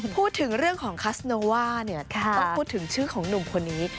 พูดถึงเรื่องของคัสโนว่าต้องพูดถึงชื่อของหนุ่มคนนี้